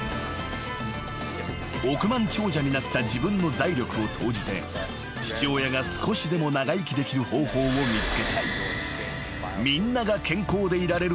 ［億万長者になった自分の財力を投じて父親が少しでも長生きできる方法を見つけたい］